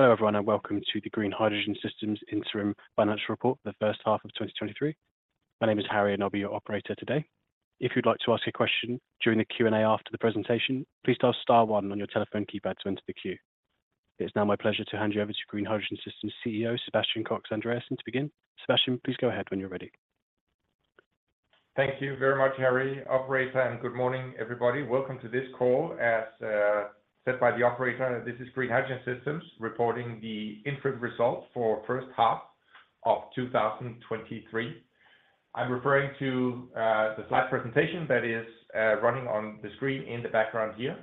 Hello, everyone, and welcome to the Green Hydrogen Systems Interim Financial Report for the First Half of 2023. My name is Harry, and I'll be your operator today. If you'd like to ask a question during the Q&A after the presentation, please dial star one on your telephone keypad to enter the queue. It's now my pleasure to hand you over to Green Hydrogen Systems CEO, Sebastian Koks Andreassen, to begin. Sebastian, please go ahead when you're ready. Thank you very much, Harry, operator. Good morning, everybody. Welcome to this call. As said by the operator, this is Green Hydrogen Systems reporting the interim results for first half of 2023. I'm referring to the slide presentation that is running on the screen in the background here.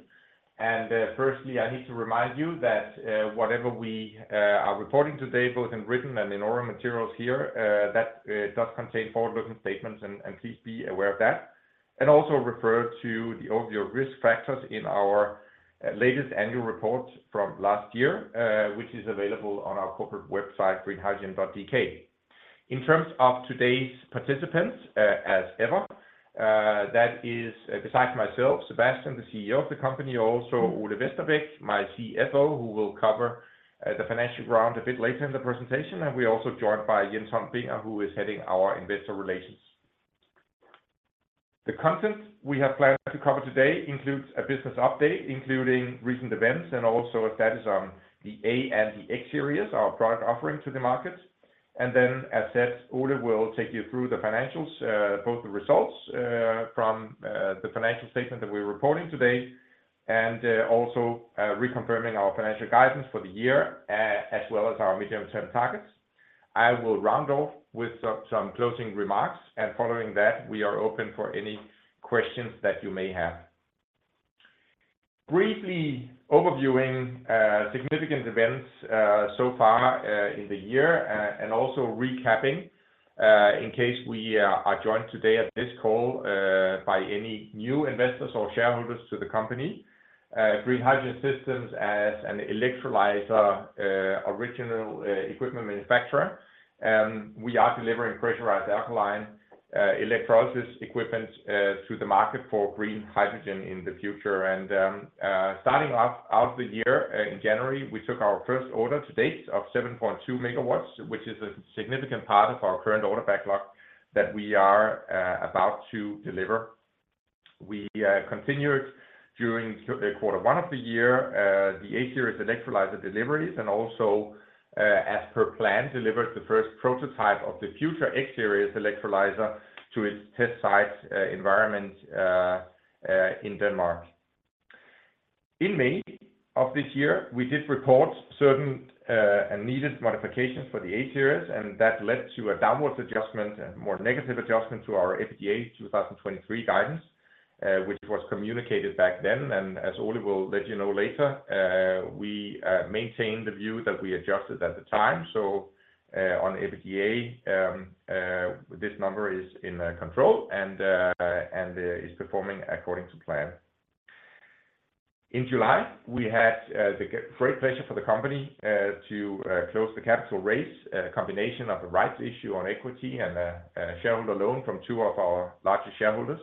Firstly, I need to remind you that whatever we are reporting today, both in written and in oral materials here, that does contain forward-looking statements, and please be aware of that. Also refer to the overview of risk factors in our latest annual report from last year, which is available on our corporate website, greenhydrogen.dk. In terms of today's participants, as ever, that is besides myself, Sebastian, the CEO of the company, also Ole Vesterbæk, my CFO, who will cover the financial ground a bit later in the presentation. We're also joined by Jens Holm Binger, who is heading our investor relations. The content we have planned to cover today includes a business update, including recent events, and also a status on the A-Series and the X-Series, our product offering to the market. Then, as said, Ole will take you through the financials, both the results from the financial statement that we're reporting today, and also reconfirming our financial guidance for the year, as well as our medium-term targets. I will round off with some, some closing remarks, and following that, we are open for any questions that you may have. Briefly overviewing, significant events so far in the year, and also recapping, in case we are joined today at this call by any new investors or shareholders to the company. Green Hydrogen Systems as an electrolyzer original equipment manufacturer, we are delivering pressurized alkaline electrolysis equipment to the market for green hydrogen in the future. Starting off out of the year in January, we took our first order to date of 7.2 MW, which is a significant part of our current order backlog that we are about to deliver. We continued during quarter one of the year, the A-Series electrolyzer deliveries, and also, as per plan, delivered the first prototype of the future X-Series electrolyzer to its test site environment in Denmark. In May of this year, we did report certain and needed modifications for the A-Series, and that led to a downwards adjustment and more negative adjustment to our EBITDA 2023 guidance, which was communicated back then. As Ole will let you know later, we maintain the view that we adjusted at the time. On EBITDA, this number is in control and is performing according to plan. In July, we had the great pleasure for the company to close the capital raise, a combination of a rights issue on equity and a shareholder loan from two of our largest shareholders.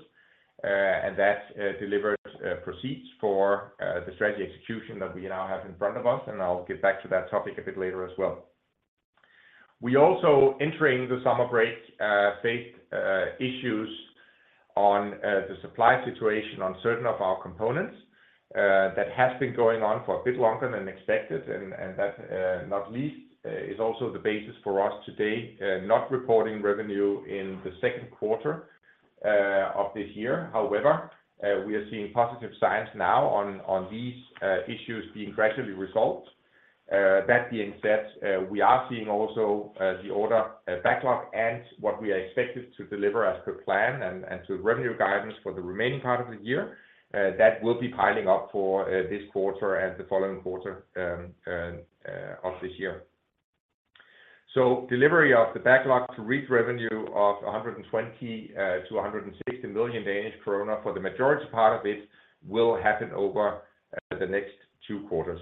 That delivered proceeds for the strategy execution that we now have in front of us, and I'll get back to that topic a bit later as well. We also, entering the summer break, faced issues on the supply situation on certain of our components. That has been going on for a bit longer than expected, and that, not least, is also the basis for us today not reporting revenue in the second quarter of this year. However, we are seeing positive signs now on these issues being gradually resolved. That being said, we are seeing also the order backlog and what we are expected to deliver as per plan and to revenue guidance for the remaining part of the year. That will be piling up for this quarter and the following quarter of this year. Delivery of the backlog to reach revenue of 120 million-160 million Danish krone, for the majority part of it, will happen over the next two quarters.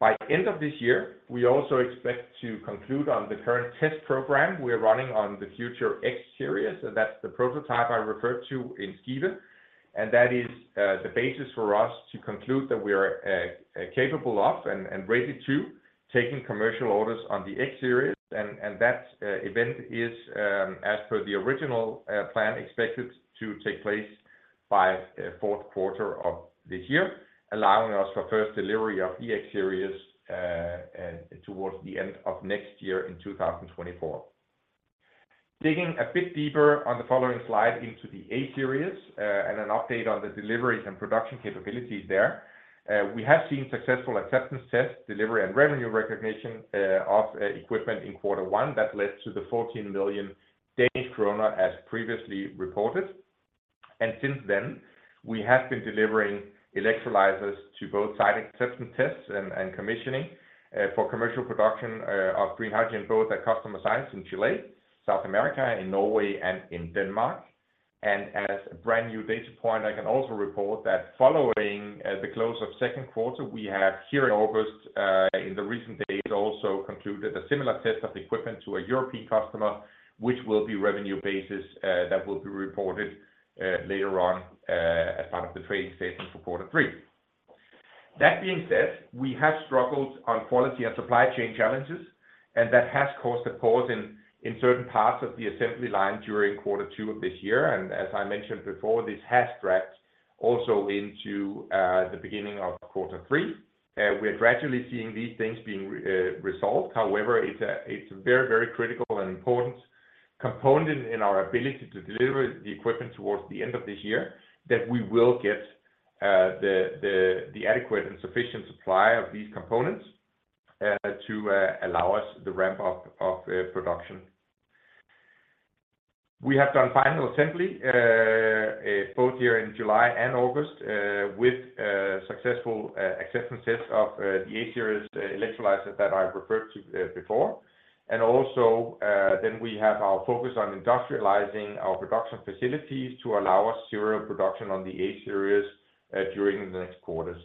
By end of this year, we also expect to conclude on the current test program we're running on the future X-Series, and that's the prototype I referred to in Skive. That is the basis for us to conclude that we are capable of and ready to taking commercial orders on the X-Series. That event is as per the original plan, expected to take place by fourth quarter of this year, allowing us for first delivery of the X-Series towards the end of next year in 2024. Digging a bit deeper on the following slide into the A-Series, and an update on the deliveries and production capabilities there. We have seen successful acceptance tests, delivery and revenue recognition of equipment in Q1. That led to the 14 million Danish krone, as previously reported. Since then, we have been delivering electrolyzers to both site acceptance tests and commissioning for commercial production of green hydrogen, both at customer sites in Chile, South America, in Norway, and in Denmark. As a brand-new data point, I can also report that following the close of second quarter, we have here in August, in the recent days, also concluded a similar test of equipment to a European customer, which will be revenue basis, that will be reported later on as part of the trading statement for quarter three. That being said, we have struggled on quality and supply chain challenges, and that has caused a pause in certain parts of the assembly line during quarter two of this year. As I mentioned before, this has dragged also into the beginning of quarter three. We are gradually seeing these things being resolved. However, it's a, it's a very, very critical and important component in our ability to deliver the equipment towards the end of this year, that we will get the, the, the adequate and sufficient supply of these components to allow us the ramp up of production. We have done final assembly both here in July and August with successful acceptance tests of the A-Series electrolyzer that I referred to before. Also, then we have our focus on industrializing our production facilities to allow us serial production on the A-Series during the next quarters.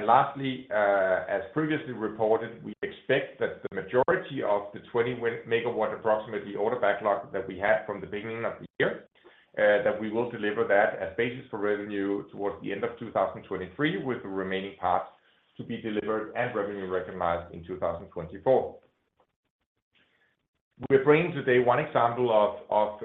Lastly, as previously reported, we expect that the majority of the 20 MW, approximately order backlog that we had from the beginning of the year, that we will deliver that as basis for revenue towards the end of 2023, with the remaining parts to be delivered and revenue recognized in 2024. We're bringing today one example of,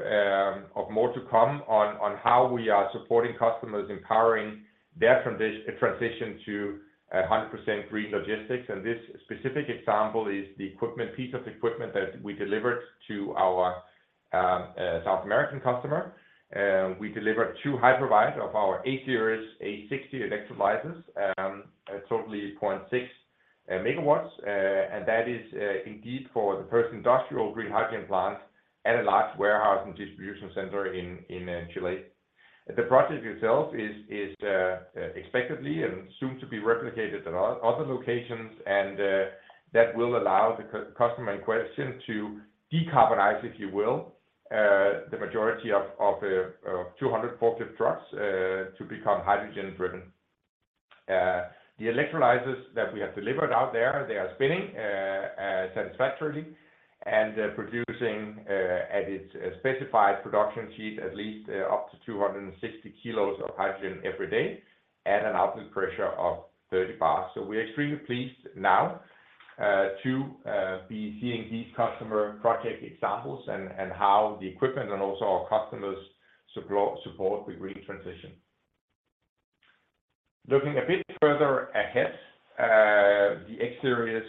of more to come on, on how we are supporting customers, empowering their transition to 100% green logistics. This specific example is the equipment, piece of equipment that we delivered to our South American customer. We delivered two hypervisor of our A-Series, A60 electrolyzers, totally 0.6 MW. That is indeed for the first industrial green hydrogen plant at a large warehouse and distribution center in, in Chile. The project itself is, is expectedly and soon to be replicated at other locations, and that will allow the customer in question to decarbonize, if you will, the majority of 200 forklift trucks to become hydrogen-driven. The electrolyzers that we have delivered out there, they are spinning satisfactorily and producing at its specified production sheet, at least up to 260 kilos of hydrogen every day at an output pressure of 30 bars. We're extremely pleased now to be seeing these customer project examples and how the equipment and also our customers support the green transition. Looking a bit further ahead, the X-Series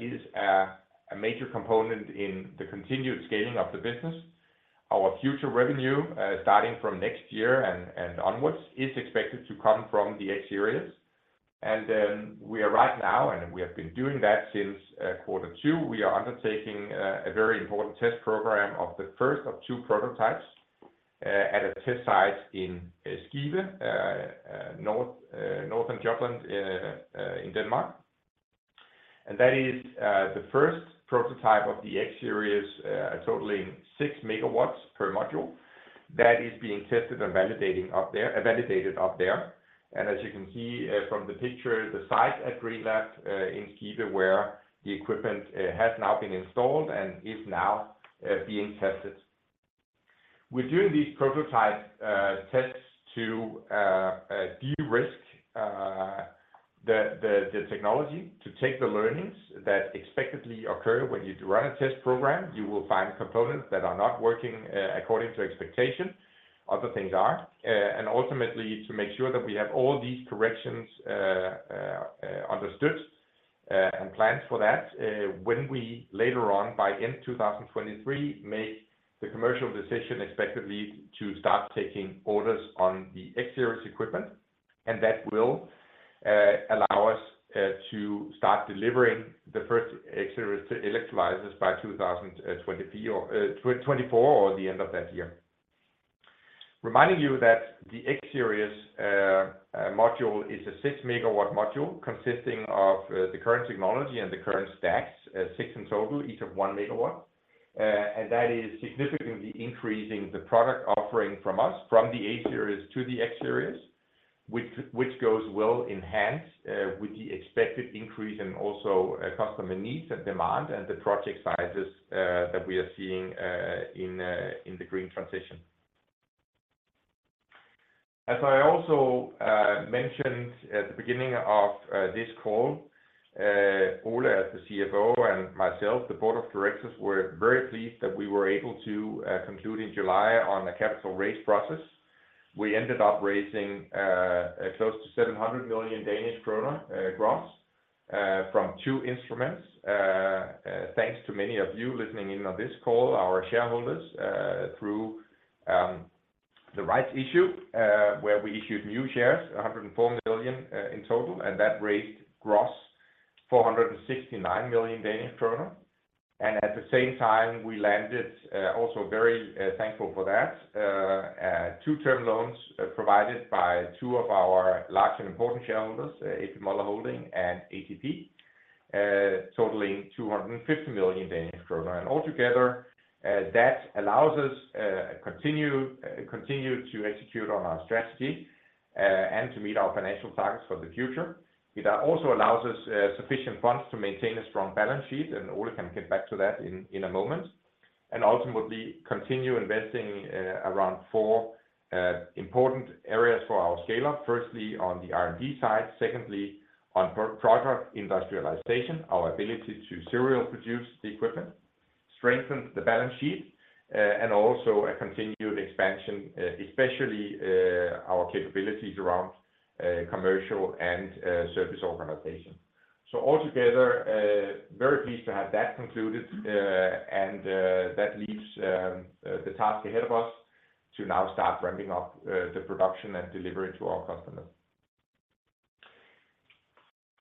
is a major component in the continued scaling of the business. Our future revenue, starting from next year and, and onwards, is expected to come from the X-Series. We are right now, and we have been doing that since Q2, we are undertaking a very important test program of the first of two prototypes at a test site in Skive, North northern Jutland in Denmark. That is the first prototype of the X-Series, totaling 6 MW per module. That is being tested and validating up there-- and validated up there. As you can see, from the picture, the site at GreenLab in Skive, where the equipment has now been installed and is now being tested. We're doing these prototype tests to de-risk the, the, the technology, to take the learnings that expectedly occur when you run a test program. You will find components that are not working according to expectation, other things are. Ultimately, to make sure that we have all these corrections understood and planned for that when we later on, by end 2023, make the commercial decision expectedly to start taking orders on the X-Series equipment. That will allow us to start delivering the first X-Series to electrolyzers by 2023 or 2024 or the end of that year. Reminding you that the X-Series module is a 6 MW module consisting of the current technology and the current stacks, 6 in total, each of 1 MW. That is significantly increasing the product offering from us, from the A-Series to the X-Series, which, which goes well enhanced with the expected increase and also customer needs and demand, and the project sizes that we are seeing in in the green transition. As I also mentioned at the beginning of this call, Ole, as the CFO, and myself, the board of directors were very pleased that we were able to conclude in July on a capital raise process. We ended up raising close to 700 million Danish krone gross from two instruments. Thanks to many of you listening in on this call, our shareholders, through the rights issue, where we issued new shares, 104 million in total, that raised gross 469 million Danish kroner. At the same time, we landed, also very thankful for that, two term loans, provided by two of our large and important shareholders, A.P. Møller Holding and ATP, totaling 250 million Danish kroner. Altogether, that allows us to continue to execute on our strategy and to meet our financial targets for the future. It also allows us sufficient funds to maintain a strong balance sheet, and Ole can get back to that in a moment. Ultimately continue investing around 4 important areas for our scale-up. Firstly, on the R&D side, secondly, on pro- product industrialization, our ability to serial produce the equipment, strengthen the balance sheet, and also a continued expansion, especially, our capabilities around commercial and service organization. Altogether, very pleased to have that concluded, and that leaves the task ahead of us to now start ramping up the production and delivery to our customers.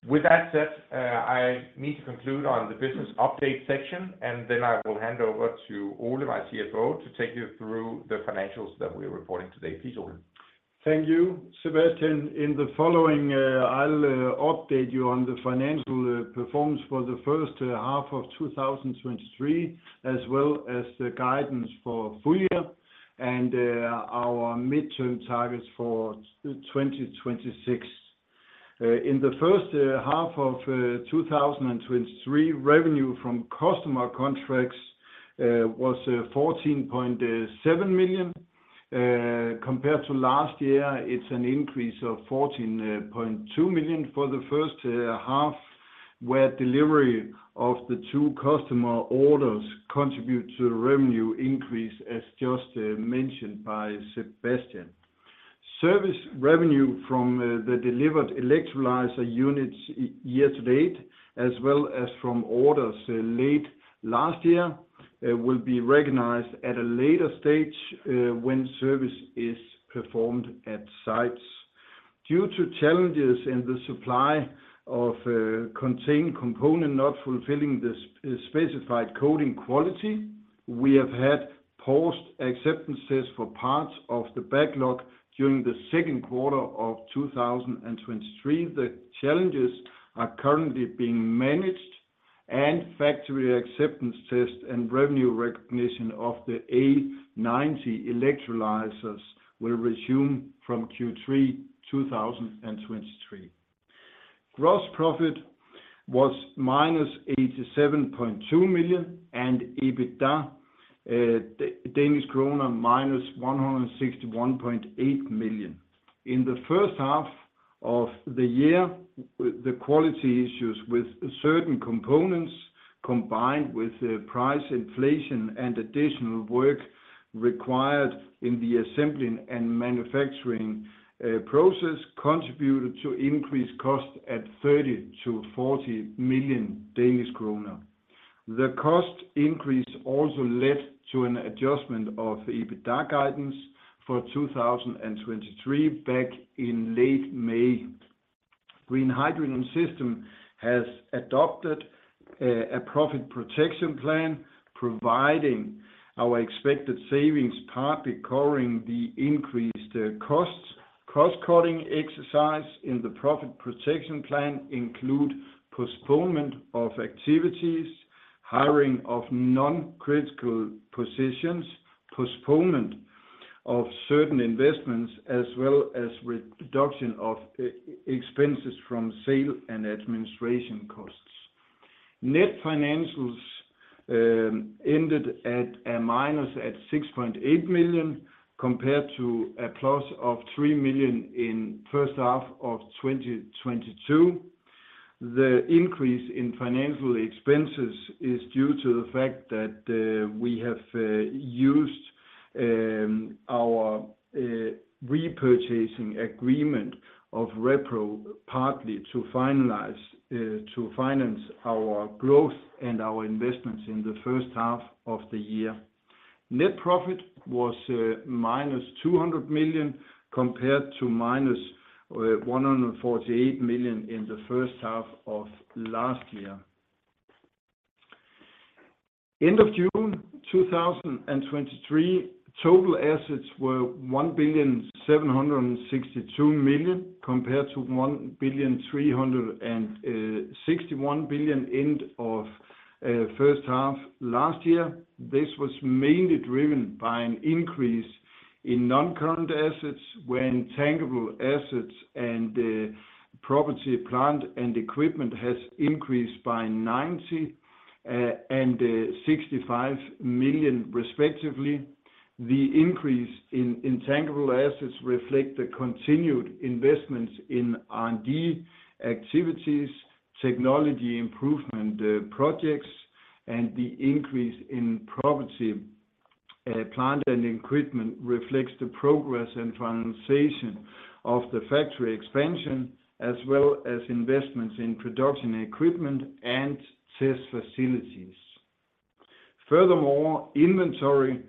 With that said, I need to conclude on the business update section, and then I will hand over to Ole, my CFO, to take you through the financials that we're reporting today. Please, Ole. Thank you, Sebastian. In the following, I'll update you on the financial performance for the first half of 2023, as well as the guidance for full year and our midterm targets for 2026. In the first half of 2023, revenue from customer contracts was 14.7 million. Compared to last year, it's an increase of 14.2 million for the first half, where delivery of the 2 customer orders contribute to the revenue increase, as just mentioned by Sebastian. Service revenue from the delivered electrolyzer units year to date, as well as from orders late last year, will be recognized at a later stage when service is performed at sites. Due to challenges in the supply of contained component not fulfilling the specified coating quality, we have had post acceptance tests for parts of the backlog during the second quarter of 2023. The challenges are currently being managed, and factory acceptance test and revenue recognition of the A90 electrolyzers will resume from Q3 2023. Gross profit was -87.2 million, and EBITDA, -161.8 million. In the first half of the year, the quality issues with certain components, combined with the price inflation and additional work required in the assembling and manufacturing process, contributed to increased costs at 30 million-40 million Danish kroner. The cost increase also led to an adjustment of the EBITDA guidance for 2023 back in late May. Green Hydrogen Systems has adopted a profit protection plan, providing our expected savings, partly covering the increased costs. Cost-cutting exercise in the profit protection plan include postponement of activities, hiring of non-critical positions, postponement of certain investments, as well as reduction of e- expenses from sale and administration costs. Net financials ended at a minus at 6.8 million, compared to a plus of 3 million in first half of 2022. The increase in financial expenses is due to the fact that we have used our Repurchase Agreement of Repo, partly to finalize to finance our growth and our investments in the first half of the year. Net profit was minus 200 million, compared to minus 148 million in the first half of last year. End of June 2023, total assets were 1,762 million, compared to 1,361 billion, end of first half last year. This was mainly driven by an increase in non-current assets, when tangible assets and property, plant, and equipment has increased by 90 million and 65 million, respectively. The increase in intangible assets reflect the continued investments in R&D activities, technology improvement projects, and the increase in property, plant and equipment reflects the progress and finalization of the factory expansion, as well as investments in production equipment and test facilities. Furthermore, inventory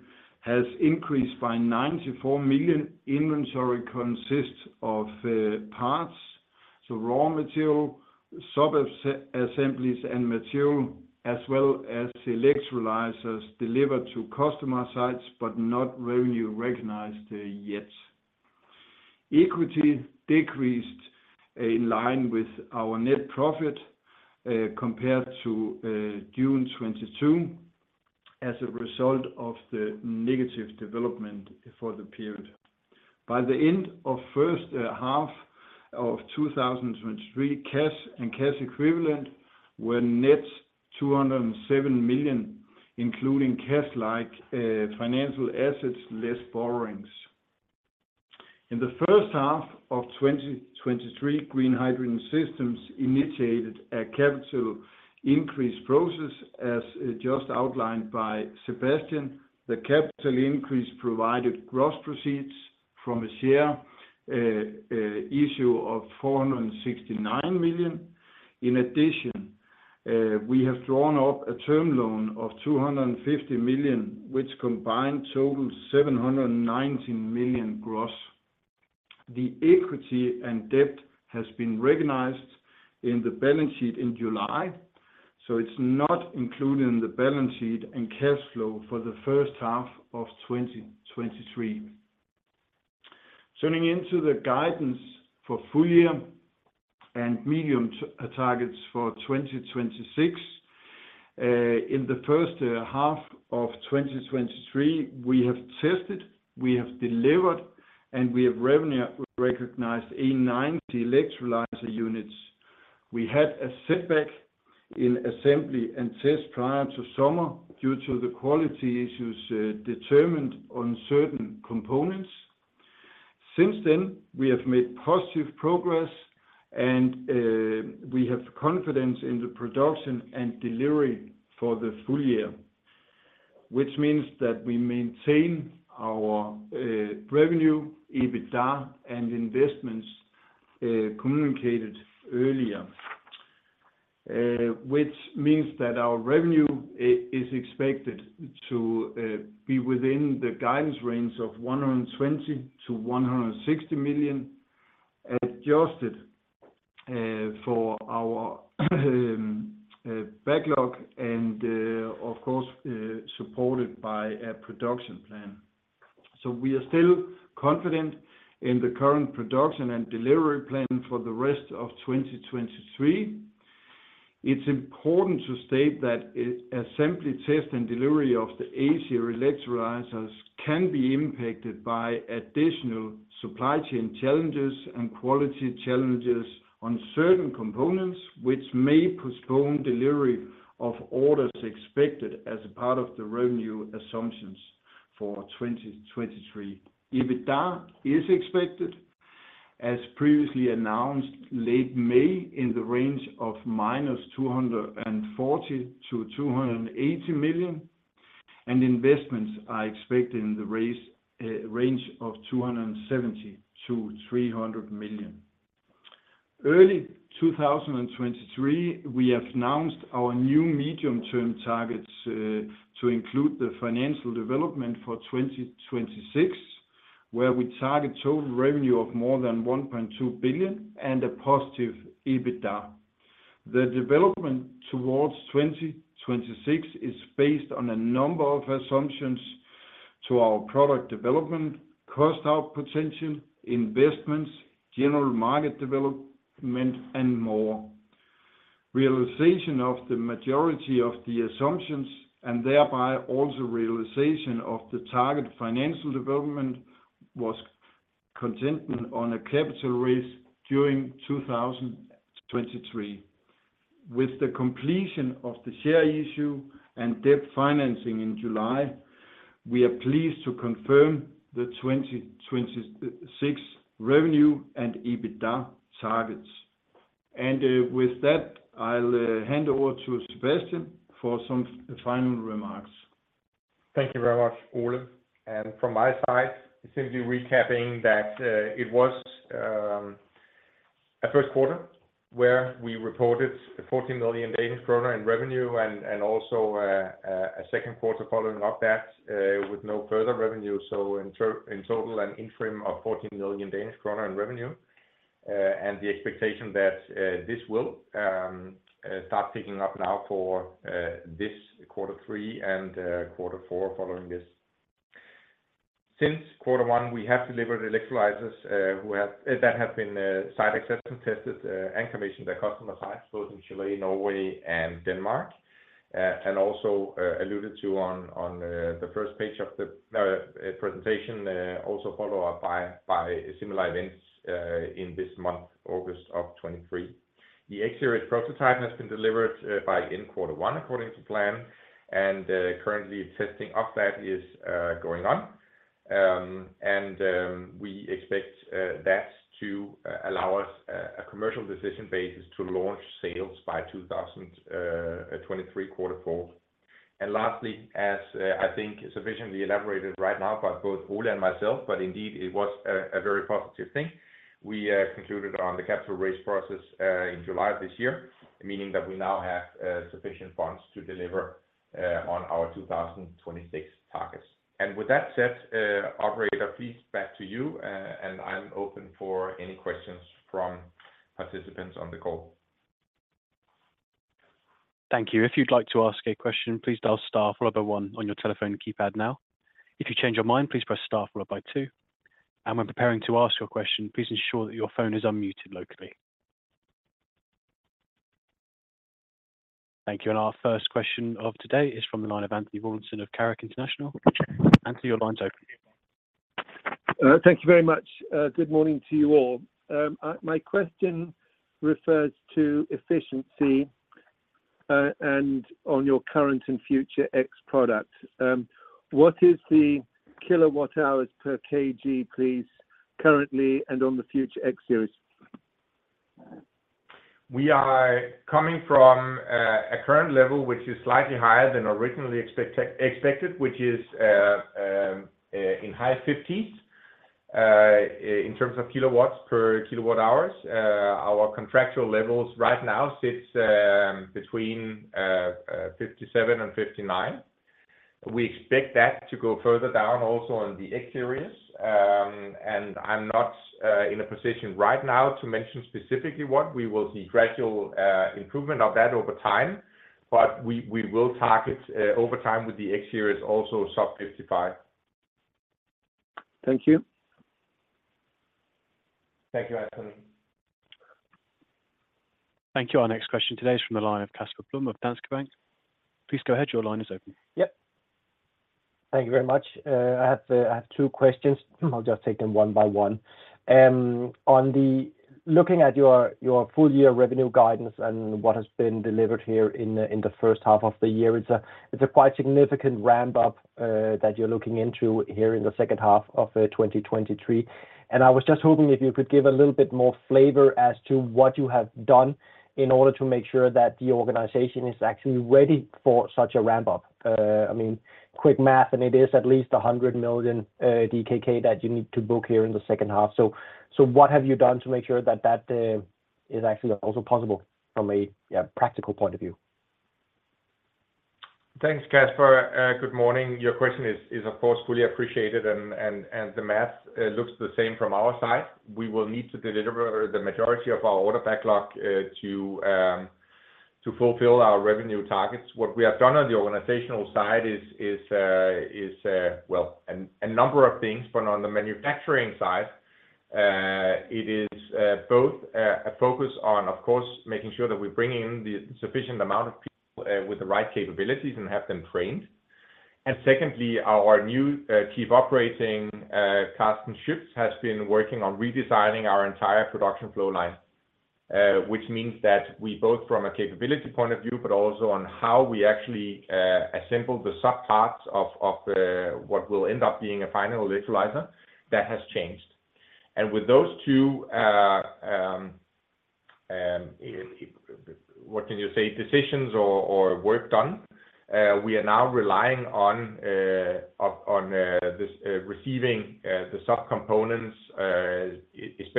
has increased by 94 million. Inventory consists of parts, so raw material, assemblies, and material, as well as electrolyzers delivered to customer sites, but not revenue recognized yet. Equity decreased in line with our net profit, compared to June 2022, as a result of the negative development for the period. By the end of first half of 2023, cash and cash equivalent were net 207 million, including cash, like, financial assets, less borrowings. In the first half of 2023, Green Hydrogen Systems initiated a capital increase process, as just outlined by Sebastian. The capital increase provided gross proceeds from a share issue of 469 million. In addition, we have drawn up a term loan of 250 million, which combined total 790 million gross. The equity and debt has been recognized in the balance sheet in July, so it's not included in the balance sheet and cash flow for the first half of 2023. Turning into the guidance for full year and medium targets for 2026. In the first half of 2023, we have tested, we have delivered, and we have revenue recognized A90 electrolyzer units. We had a setback in assembly and test prior to summer due to the quality issues determined on certain components. Since then, we have made positive progress, and we have confidence in the production and delivery for the full year, which means that we maintain our revenue, EBITDA, and investments communicated earlier. Which means that our revenue is expected to be within the guidance range of 120 million-160 million, adjusted for our backlog and, of course, supported by a production plan. We are still confident in the current production and delivery plan for the rest of 2023. It's important to state that assembly test and delivery of the A-Series electrolyzers can be impacted by additional supply chain challenges and quality challenges on certain components, which may postpone delivery of orders expected as a part of the revenue assumptions for 2023. EBITDA is expected, as previously announced, late May, in the range of minus 240 million-280 million, and investments are expected in the race, range of 270 million-300 million. Early 2023, we have announced our new medium-term targets to include the financial development for 2026, where we target total revenue of more than 1.2 billion and a positive EBITDA. The development towards 2026 is based on a number of assumptions to our product development, cost out potential, investments, general market development, and more. Realization of the majority of the assumptions, and thereby, also realization of the target financial development, was contingent on a capital raise during 2023. With the completion of the share issue and debt financing in July, we are pleased to confirm the 2026 revenue and EBITDA targets. With that, I'll hand over to Sebastian for some final remarks. Thank you very much, Ole. From my side, simply recapping that, it was a first quarter where we reported 14 million Danish krone in revenue, and also a second quarter following up that with no further revenue. In total, an interim of 14 million Danish kroner in revenue, and the expectation that this will start picking up now for this quarter three and quarter four following this. Since quarter one, we have delivered electrolyzers, that have been site acceptance tested, and commissioned at customer sites, both in Chile, Norway, and Denmark. Also alluded to on the first page of the presentation, also followed up by similar events, in this month, August of 2023. The A-Series prototype has been delivered by the end of Q1, according to plan, and currently, testing of that is going on. We expect that to allow us a commercial decision basis to launch sales by 2023 Q4. Lastly, as I think sufficiently elaborated right now by both Ole and myself, but indeed, it was a very positive thing. We concluded on the capital raise process in July of this year, meaning that we now have sufficient funds to deliver on our 2026 targets. With that said, operator, please back to you, and I'm open for any questions from participants on the call. Thank you. If you'd like to ask a question, please dial star followed by one on your telephone keypad now. If you change your mind, please press star followed by two. When preparing to ask your question, please ensure that your phone is unmuted locally. ... Thank you. Our first question of today is from the line of Anthony Plom of Carrick International. Anthony, your line is open. Thank you very much. Good morning to you all. My question refers to efficiency, and on your current and future X products. What is the kilowatt hours per kg, please, currently and on the future X-Series? We are coming from a current level, which is slightly higher than originally expected, which is in high 50s. In terms of kilowatts per kilowatt hours, our contractual levels right now sits between 57 and 59. We expect that to go further down also on the X-Series. I'm not in a position right now to mention specifically what we will see gradual improvement of that over time, but we will target over time with the X-Series, also sub 55. Thank you. Thank you, Anthony. Thank you. Our next question today is from the line of Casper Blom of Danske Bank. Please go ahead. Your line is open. Yep. Thank you very much. I have two questions. I'll just take them one by one. Looking at your full year revenue guidance and what has been delivered here in the first half of the year, it's a quite significant ramp up that you're looking into here in the second half of 2023. I was just hoping if you could give a little bit more flavor as to what you have done in order to make sure that the organization is actually ready for such a ramp up. I mean, quick math, it is at least 100 million DKK that you need to book here in the second half. What have you done to make sure that that is actually also possible from a, yeah, practical point of view? Thanks, Casper. good morning. Your question is, is, of course, fully appreciated, and, and, and the math, looks the same from our side. We will need to deliver the majority of our order backlog, to, to fulfill our revenue targets. What we have done on the organizational side is, is, is, well, a, a number of things, but on the manufacturing side, it is, both, a focus on, of course, making sure that we're bringing the sufficient amount of people, with the right capabilities and have them trained. Secondly, our new Chief Operating Officer, Carsten Schiøtz, has been working on redesigning our entire production flow line, which means that we both from a capability point of view, but also on how we actually assemble the sub parts of, of, what will end up being a final electrolyzer that has changed. With those two, what can you say? Decisions or, or work done, we are now relying on this receiving the sub components,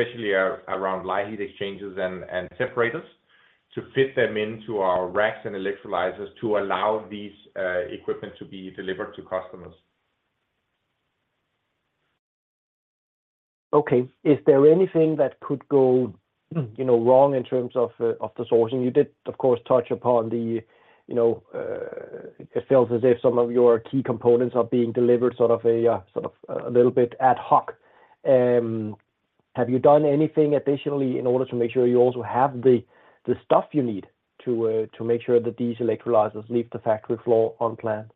especially around plate heat exchangers and separators, to fit them into our racks and electrolyzers to allow these equipment to be delivered to customers. Okay. Is there anything that could go, you know, wrong in terms of the sourcing? You did, of course, touch upon the, you know, it feels as if some of your key components are being delivered, sort of a, sort of a little bit ad hoc. Have you done anything additionally in order to make sure you also have the, the stuff you need to, to make sure that these electrolyzers leave the factory floor on plan?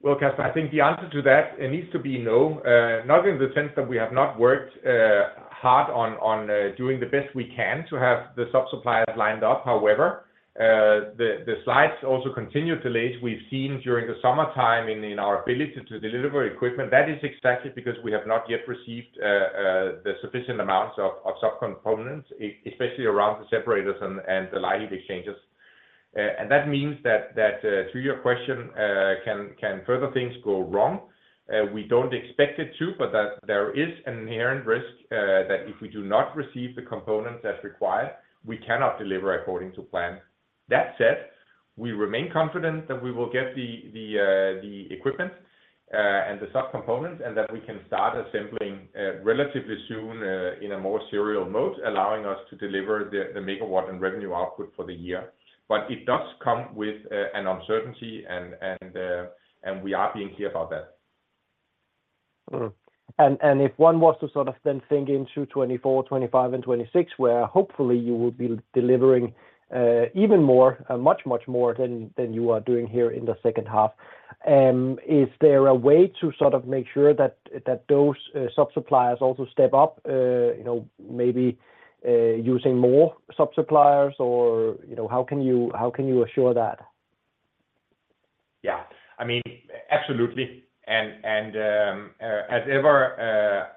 Well, Casper Blom, I think the answer to that it needs to be no. Not in the sense that we have not worked hard on, on doing the best we can to have the subsuppliers lined up. The, the slides also continue to late. We've seen during the summertime in, in our ability to deliver equipment. That is expected because we have not yet received the sufficient amounts of, of subcomponents, especially around the separators and the plate heat exchangers. That means that, that, to your question, can, can further things go wrong? We don't expect it to, that there is an inherent risk that if we do not receive the components as required, we cannot deliver according to plan. That said, we remain confident that we will get the equipment and the subcomponents, and that we can start assembling relatively soon in a more serial mode, allowing us to deliver the megawatt and revenue output for the year. It does come with an uncertainty, and we are being clear about that. Mm-hmm. If one was to sort of then think into 2024, 2025 and 2026, where hopefully you will be delivering even more, much, much more than, than you are doing here in the second half, is there a way to sort of make sure that those subsuppliers also step up, you know, maybe using more subsuppliers or, you know, how can you, how can you assure that? Yeah, I mean, absolutely. As ever,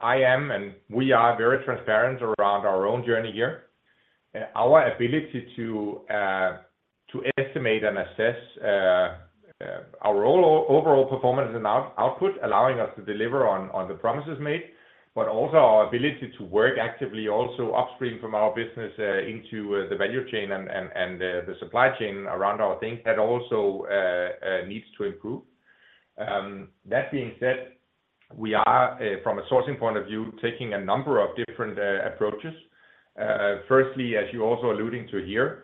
I am, and we are very transparent around our own journey here. Our ability to estimate and assess our overall performance and output, allowing us to deliver on the promises made, also our ability to work actively, also upstream from our business, into the value chain and the supply chain around our things that also needs to improve. That being said, we are from a sourcing point of view, taking a number of different approaches. Firstly, as you're also alluding to here,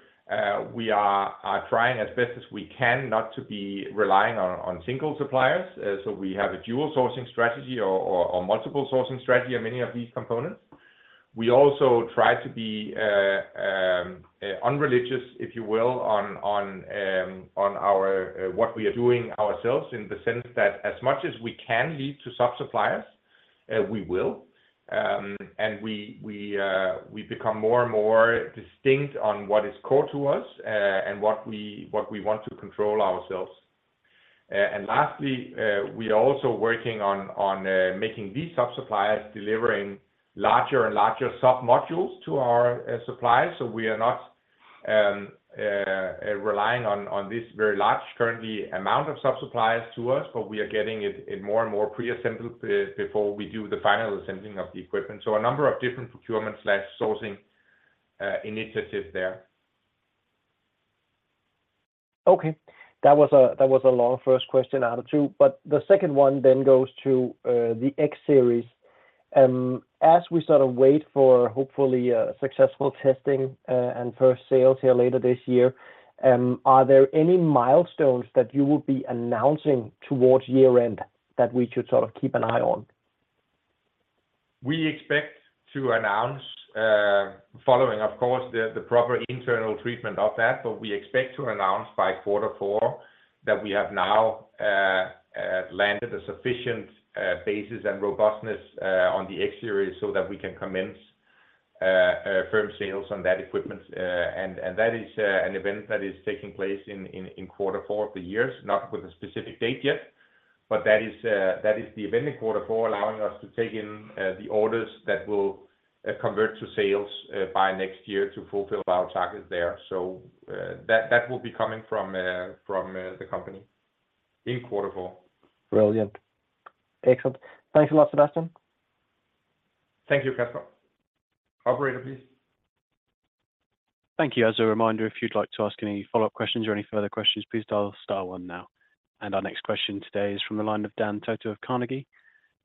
we are trying as best as we can not to be relying on single suppliers. We have a dual sourcing strategy or multiple sourcing strategy on many of these components. We also try to be unreligious, if you will, on, on, on our, what we are doing ourselves, in the sense that as much as we can lead to sub-suppliers, we will. We, we, we become more and more distinct on what is core to us, and what we, what we want to control ourselves. Lastly, we are also working on, on, making these sub-suppliers delivering larger and larger sub-modules to our, suppliers. We are not, relying on, on this very large currently amount of sub-suppliers to us, but we are getting it, it more and more pre-assembled, before we do the final assembling of the equipment. A number of different procurement/sourcing, initiatives there. Okay. That was a, that was a long first question out of two. The second one then goes to the X-Series. As we sort of wait for hopefully, a successful testing, and first sales here later this year, are there any milestones that you will be announcing towards year-end that we should sort of keep an eye on? We expect to announce, following, of course, the, the proper internal treatment of that, but we expect to announce by quarter four, that we have now, landed a sufficient, basis and robustness, on the X-Series so that we can commence, firm sales on that equipment. That is an event that is taking place in, in, in quarter four of the years, not with a specific date yet, but that is, that is the event in quarter four, allowing us to take in, the orders that will, convert to sales, by next year to fulfill our targets there. That, that will be coming from, from, the company in quarter four. Brilliant. Excellent. Thanks a lot, Sebastian. Thank you, Casper. Operator, please. Thank you. As a reminder, if you'd like to ask any follow-up questions or any further questions, please dial star one now. Our next question today is from the line of Dan Togo of Carnegie.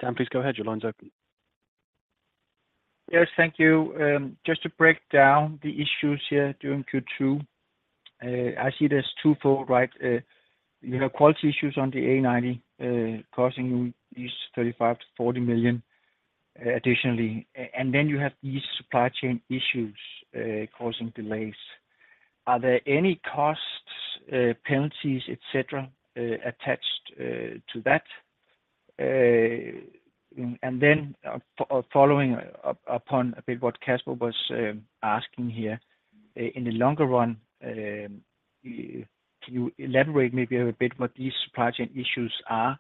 Dan, please go ahead. Your line's open. Yes, thank you. Just to break down the issues here during Q2, I see there's twofold, right? You have quality issues on the A90, causing you these 35 million-40 million, additionally, and then you have these supply chain issues, causing delays. Are there any costs, penalties, et cetera, attached to that? Then following up-upon a bit what Casper was asking here, in the longer run, can you elaborate maybe a bit what these supply chain issues are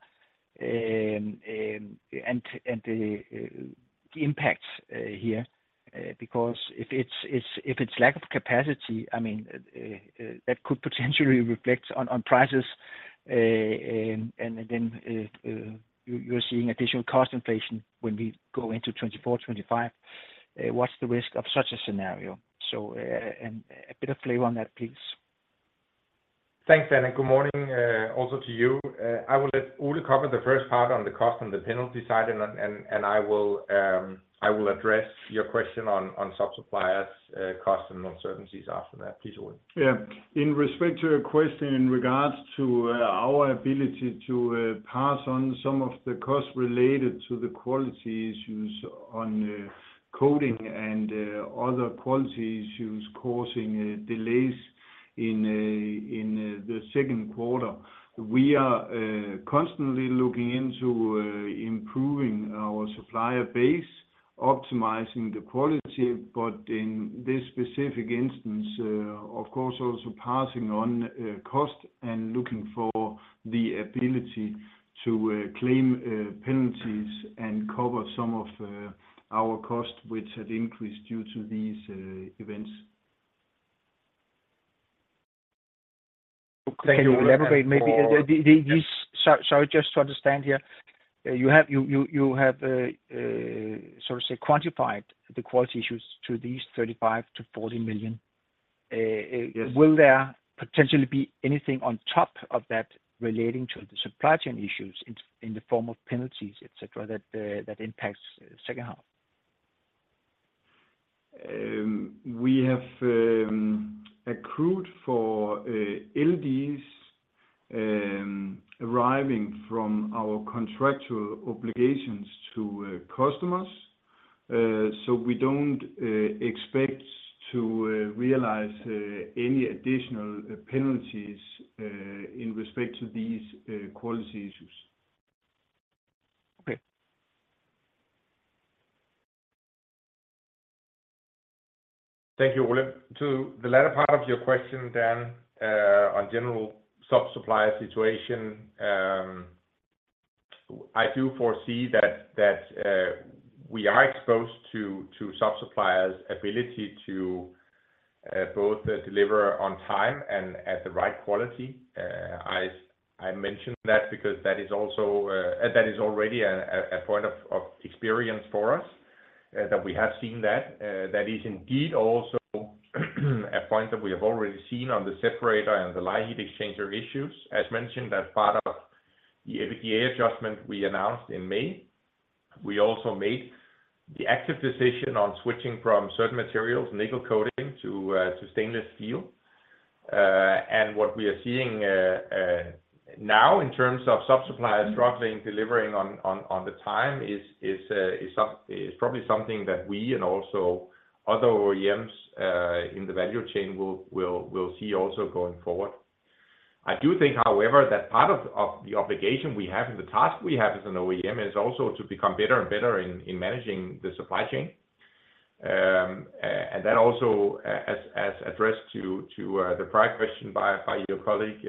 and the impacts here? Because if it's, it's, if it's lack of capacity, I mean, that could potentially reflect on prices, and again, you're seeing additional cost inflation when we go into 2024, 2025. What's the risk of such a scenario? And a bit of flavor on that, please. Thanks, Dan, and good morning, also to you. I will let Ole cover the first part on the cost and the penalty side, and, and, and I will, I will address your question on, on sub-suppliers, cost and uncertainties after that. Please, Ole. Yeah. In respect to your question in regards to our ability to pass on some of the costs related to the quality issues on coating and other quality issues causing delays in in the second quarter. We are constantly looking into improving our supplier base, optimizing the quality, but in this specific instance, of course, also passing on cost and looking for the ability to claim penalties and cover some of our cost, which had increased due to these events. Can you elaborate maybe, the, the, these... Sorry, sorry, just to understand here. You have, you, you, you have, sort of say, quantified the quality issues to these 35 million-40 million... Yes. Will there potentially be anything on top of that relating to the supply chain issues in, in the form of penalties, et cetera, that impacts the second half? We have accrued for LDs arriving from our contractual obligations to customers. We don't expect to realize any additional penalties in respect to these quality issues. Okay. Thank you, Ole. To the latter part of your question, on general sub-supplier situation, I do foresee that, that, we are exposed to, to sub-suppliers' ability to, both deliver on time and at the right quality. I, I mentioned that because that is also, that is already a, a point of, of experience for us, that we have seen that. That is indeed also, a point that we have already seen on the separator and the light heat exchanger issues. As mentioned, as part of the EPA adjustment we announced in May, we also made the active decision on switching from certain materials, nickel coating to, to stainless steel... What we are seeing now in terms of sub-suppliers struggling, delivering on, on, on the time is, is probably something that we and also other OEMs in the value chain will, will, will see also going forward. I do think, however, that part of, of the obligation we have and the task we have as an OEM is also to become better and better in, in managing the supply chain. And that also as, as addressed to the prior question by, by your colleague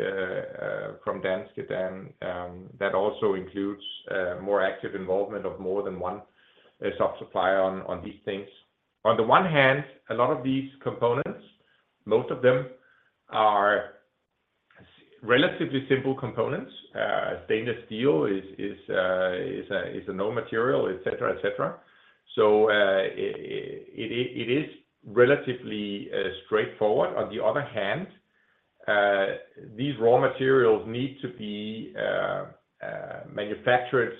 from Danske, then, that also includes more active involvement of more than one sub-supplier on, on these things. On the one hand, a lot of these components, most of them are relatively simple components. Stainless steel is a, is a known material, et cetera, et cetera. It is relatively straightforward. On the other hand, these raw materials need to be manufactured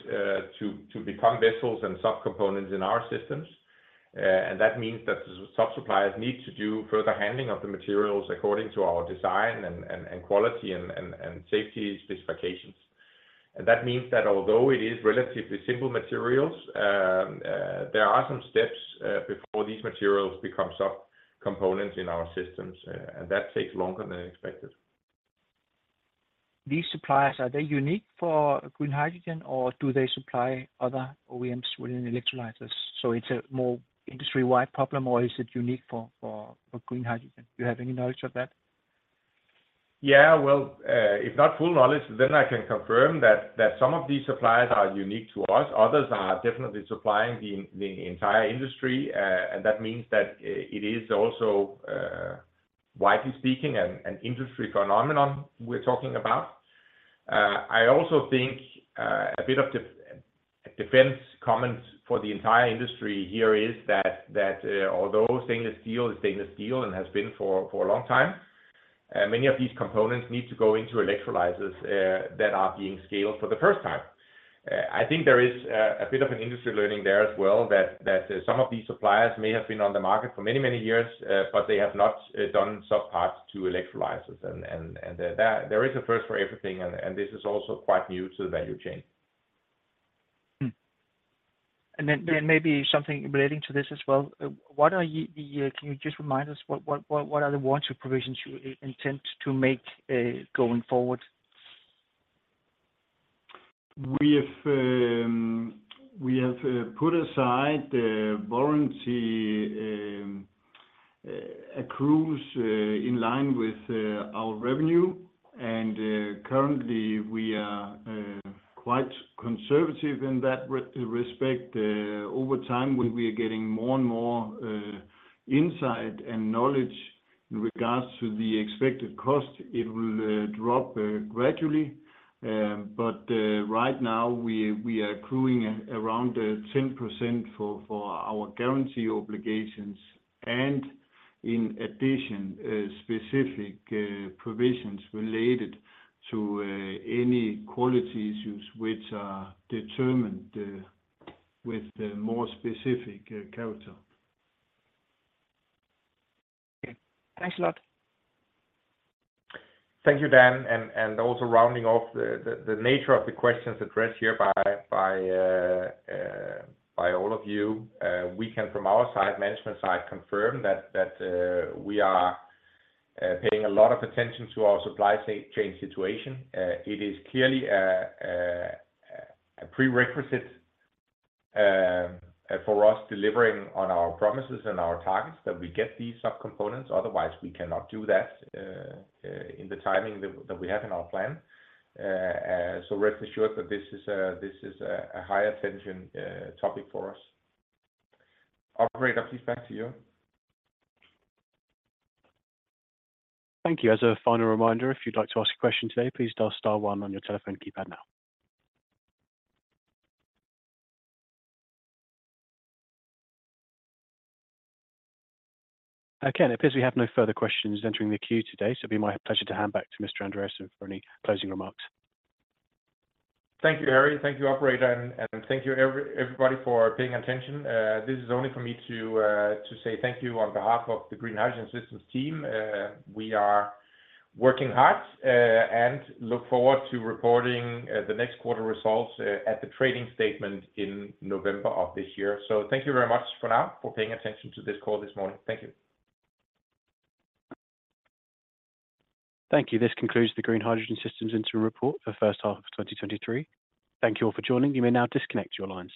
to become vessels and subcomponents in our systems. That means that the sub-suppliers need to do further handling of the materials according to our design and, and, and quality and, and, and safety specifications. That means that although it is relatively simple materials, there are some steps before these materials become subcomponents in our systems, and that takes longer than expected. These suppliers, are they unique for green hydrogen, or do they supply other OEMs within electrolyzers? It's a more industry-wide problem, or is it unique for green hydrogen? Do you have any knowledge of that? Well, if not full knowledge, then I can confirm that, that some of these suppliers are unique to us. Others are definitely supplying the, the entire industry, and that means that it is also, widely speaking, an, an industry phenomenon we're talking about. I also think, a bit of defense comment for the entire industry here is that, that, although stainless steel is stainless steel and has been for, for a long time, many of these components need to go into electrolyzers, that are being scaled for the first time. I think there is, a bit of an industry learning there as well, that, that some of these suppliers may have been on the market for many, many years, but they have not, done sub parts to electrolyzers. That there is a first for everything, and this is also quite new to the value chain. Maybe something relating to this as well. Can you just remind us what are the warranty provisions you intend to make going forward? We have put aside the warranty accrues in line with our revenue, and currently, we are quite conservative in that respect. Over time, when we are getting more and more insight and knowledge in regards to the expected cost, it will drop gradually. Right now, we are accruing around 10% for our guarantee obligations, and in addition, specific provisions related to any quality issues which are determined with the more specific character. Okay. Thanks a lot. Thank you, Dan. Also rounding off the, the, the nature of the questions addressed here by, by all of you, we can, from our side, management side, confirm that, that we are paying a lot of attention to our supply chain situation. It is clearly a prerequisite for us delivering on our promises and our targets, that we get these subcomponents. Otherwise, we cannot do that in the timing that, that we have in our plan. Rest assured that this is a, this is a, a high attention topic for us. Operator, please back to you. Thank you. As a final reminder, if you'd like to ask a question today, please dial star one on your telephone keypad now. Okay, it appears we have no further questions entering the queue today. It'd be my pleasure to hand back to Mr. Andreassen for any closing remarks. Thank you, Harry. Thank you, operator, and thank you, everybody, for paying attention. This is only for me to say thank you on behalf of the Green Hydrogen Systems team. We are working hard and look forward to reporting the next quarter results at the trading statement in November of this year. Thank you very much for now for paying attention to this call this morning. Thank you. Thank you. This concludes the Green Hydrogen Systems interim report for first half of 2023. Thank you all for joining. You may now disconnect your lines.